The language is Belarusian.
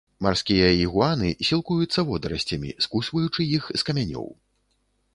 Марскія ігуаны сілкуюцца водарасцямі, скусваючы іх з камянёў.